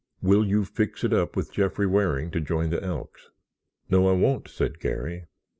"Will you fix it up with Jeffrey Waring to join the Elks?" "No, I won't," said Garry.